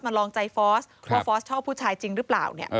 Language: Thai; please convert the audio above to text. ลองใจฟอสว่าฟอสชอบผู้ชายจริงหรือเปล่า